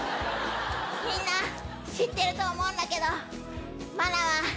みんな知ってると思うんだけど。